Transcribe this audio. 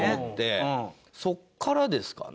そこからですかね。